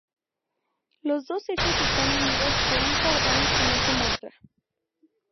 Los dos ejes están unidos por un cardán que no se muestra.